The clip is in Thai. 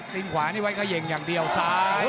ตินขวานี่ไว้เขย่งอย่างเดียวซ้าย